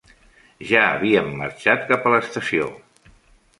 Ja havíem marxat cap a l'estació.